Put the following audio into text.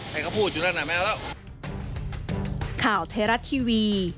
ให้เขาพูดอยู่ด้านไหนไม่เอาแล้ว